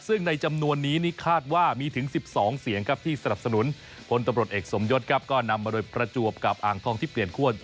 ซึ่งในจำนวนนี้คาดว่ามีถึง๑๒เสียงที่ตรัสสนุนคนธบรวดอีกสมยศก็นำมาโดยประจวบกับอ่างทองที่เปลี่ยนขวด